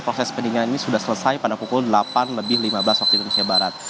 proses pendinginan ini sudah selesai pada pukul delapan lebih lima belas waktu indonesia barat